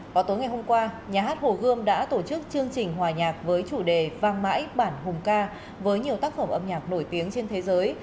vào tối ngày hôm qua nhà hát hồ gươm đã tổ chức chương trình hòa nhạc với chủ đề vang mãi bản hùng ca với nhiều tác phẩm âm nhạc nổi tiếng trên thế giới